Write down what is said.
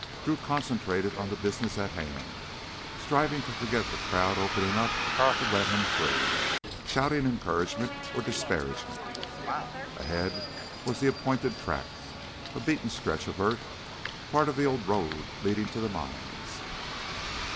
Drew concentrated on the business at hand, striving to forget the crowd opening up to let him through, shouting encouragement or disparagement. Ahead was the appointed track, a beaten stretch of earth, part of the old road leading to the mines.